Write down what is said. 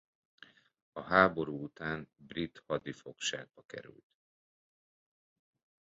A háború után brit hadifogságba került.